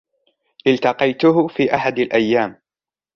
التقيته في أحد الأيام.